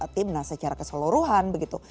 tim secara keseluruhan begitu